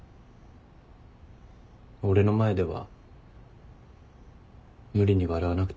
俺の前では無理に笑わなくていいよ。